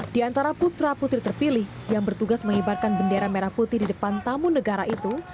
di antara putra putri terpilih yang bertugas mengibarkan bendera merah putih di depan tamu negara itu